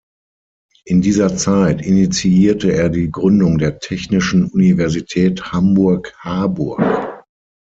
In dieser Zeit initiierte er die Gründung der Technischen Universität Hamburg-Harburg.